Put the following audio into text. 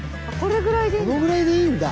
これぐらいでいいんだ。